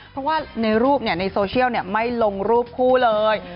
เพราะว่าในรูปในโซเชียลไม่ลงรูปคู่เลย